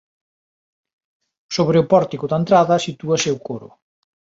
Sobre o pórtico da entrada sitúase o coro.